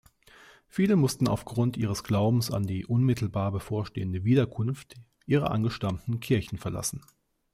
Viele mussten aufgrund ihres Glaubens an die unmittelbar bevorstehende Wiederkunft ihre angestammten Kirchen verlassen.